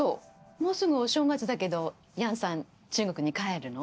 もうすぐお正月だけど楊さん中国に帰るの？